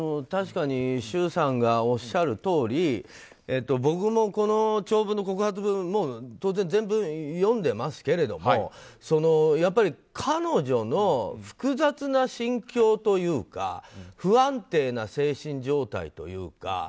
確かに周さんがおっしゃるとおり僕もこの長文の告発文を当然、全部読んでいますけれど彼女の複雑な心境というか不安定な精神状態というか。